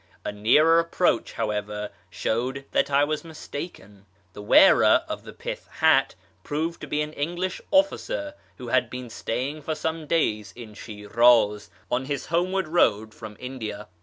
A nearer approach, however, showed that I was mistaken. The wearer of the pith hat proved to be an English officer who had been staying for some days in Shiraz on his homeward road from India.